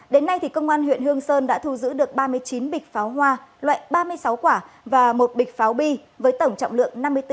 đến nay công an huyện hương sơn đã thu giữ được ba mươi chín bịch pháo hoa loại ba mươi sáu quả và một bịch pháo bi với tổng trọng lượng năm mươi bốn hai mươi sáu kg